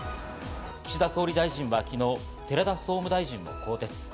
岸田総理大臣は昨日、寺田総務大臣を更迭。